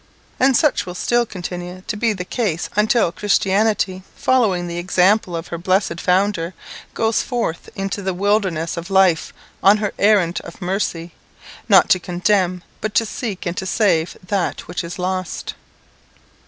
And such will still continue to be the case until Christianity, following the example of her blessed Founder, goes forth into the wilderness of life on her errand of mercy, not to condemn, but to seek and to save that which is lost.